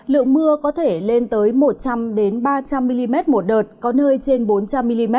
lượng mưa có thể lên tới một trăm linh ba trăm linh mm một đợt có nơi trên bốn trăm linh mm